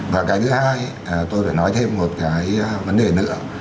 và cái thứ hai tôi phải nói thêm một cái vấn đề nữa